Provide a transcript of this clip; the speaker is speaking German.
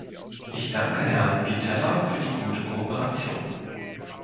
Ich danke Herrn Pittella für die gute Kooperation.